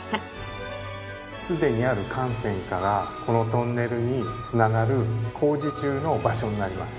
既にある幹線からこのトンネルに繋がる工事中の場所になります。